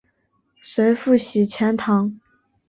随父徙钱塘。